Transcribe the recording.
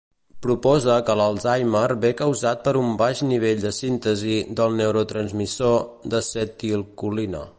Proposa que l'Alzheimer ve causat per un baix nivell de síntesi del neurotransmissor d'acetilcolina.